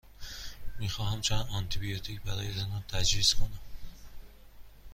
می خواهمم چند آنتی بیوتیک برایتان تجویز کنم.